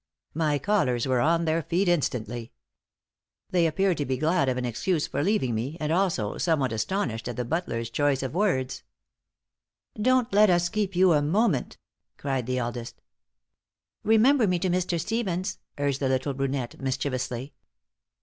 My callers were on their feet, instantly. They appeared to be glad of an excuse for leaving me, and, also, somewhat astonished at the butler's choice of words. "Don't let us keep you a moment," cried the eldest. "Remember me to Mr. Stevens," urged the little brunette, mischievously.